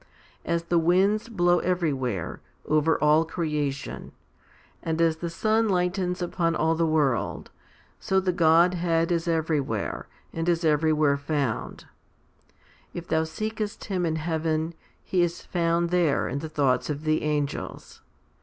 As the winds 1 Eph. iv. 13. HOMILY XXXII 239 blow everywhere, over all creation, and as the sun lightens upon all the world, so the Godhead is everywhere, and is everywhere found. If thou seekest Him in heaven, He is found there in the thoughts of the angels.